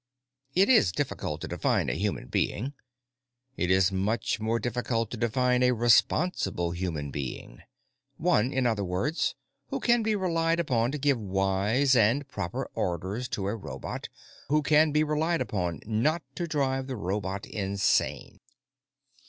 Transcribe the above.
If it is difficult to define a human being, it is much more difficult to define a responsible human being. One, in other words, who can be relied upon to give wise and proper orders to a robot, who can be relied upon not to drive the robot insane.